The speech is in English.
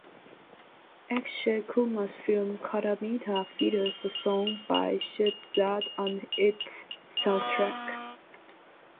Akshay Kumar's film "Khatta Meetha" features a song by Shehzad on its soundtrack.